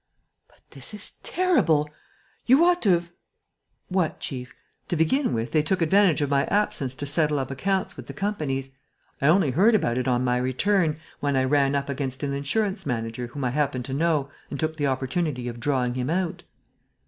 "But this is terrible! You ought to have...." "What, chief? To begin with, they took advantage of my absence to settle up accounts with the companies. I only heard about it on my return when I ran up against an insurance manager whom I happen to know and took the opportunity of drawing him out."